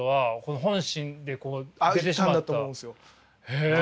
へえ！